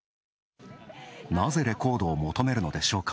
なぜ、レコードを求めるのでしょうか。